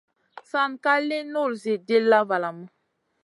San ka lì nul Zi dilla valamu.